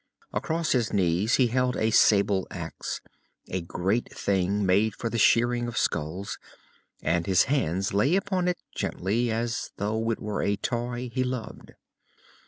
Across his knees he held a sable axe, a great thing made for the shearing of skulls, and his hands lay upon it gently, as though it were a toy he loved.